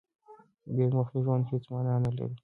بې موخې ژوند هېڅ مانا نه لري.